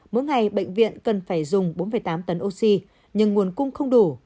mỗi ngày bệnh viện cần phải dùng bốn tám tấn oxy nhưng nguồn cung không đủ